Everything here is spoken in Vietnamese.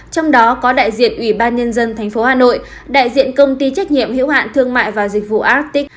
trong đó có đại diện ủy ban nhân dân tp hà nội đại diện công ty trách nhiệm hiểu hạn thương mại và dịch vụ astic